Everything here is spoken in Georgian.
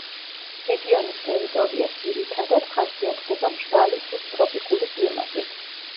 რეგიონის ტერიტორია ძირითადად ხასიათდება მშრალი სუბტროპიკული კლიმატით.